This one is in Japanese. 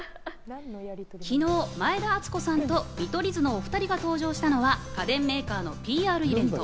昨日、前田敦子さんと見取り図のお２人が登場したのは家電メーカーのＰＲイベント。